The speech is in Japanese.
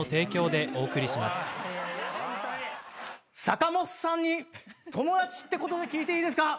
坂もっさんに友達ってことで聞いていいですか？